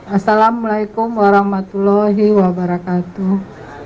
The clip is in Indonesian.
assalamualaikum warahmatullahi wabarakatuh